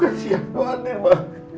kasihanku adin ma